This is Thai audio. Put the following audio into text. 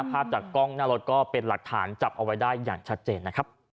ภาพจากกล้องหน้ารถก็เป็นหลักฐานจับเอาไว้ได้อย่างชัดเจนนะครับ